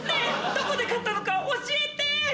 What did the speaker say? どこで買ったのか教えて！